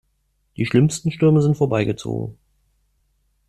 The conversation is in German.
Die schlimmsten Stürme sind vorbei gezogen.